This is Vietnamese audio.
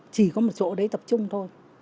chỉ có một chỗ đấy tập trung thôi